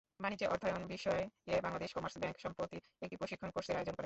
বাণিজ্যে অর্থায়ন বিষয়ে বাংলাদেশ কমার্স ব্যাংক সম্প্রতি একটি প্রশিক্ষণ কোর্সের আয়োজন করে।